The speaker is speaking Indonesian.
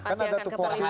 kan ada tupoksinya